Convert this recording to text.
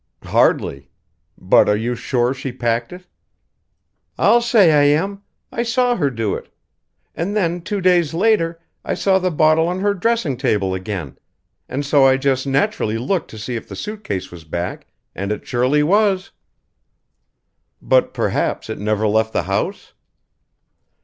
"Hardly. But are you sure she packed it?" "I'll say I am. I saw her do it. And then two days later I saw the bottle on her dressing table again and so I just naturally looked to see if the suit case was back and it surely was." "But perhaps it never left the house?"